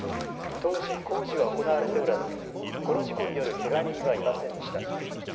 当時、工事は行われておらずこの事故によるけが人はいませんでした。